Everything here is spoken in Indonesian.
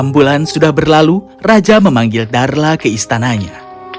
enam bulan sudah berlalu raja memanggil darla ke istananya